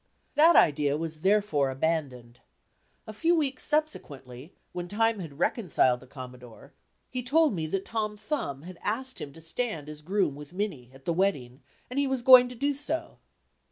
That idea was therefore abandoned. A few weeks subsequently, when time had reconciled the Commodore, he told me that Tom Thumb had asked him to stand as groom with Minnie, at the wedding, and he was going to do so.